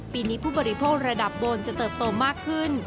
ปีนี้ผู้บริโภคระดับบนจะเติบโตมากขึ้น